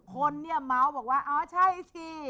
คนเม้าส์ว่าจริงสิ